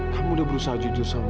kamu sudah berusaha judul sama mama